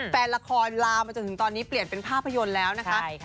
แฟนละครลามาจนถึงตอนนี้เปลี่ยนเป็นภาพยนตร์แล้วนะคะ